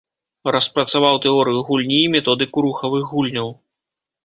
Распрацаваў тэорыю гульні і методыку рухавых гульняў.